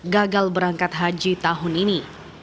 gagal berangkat haji tahun ini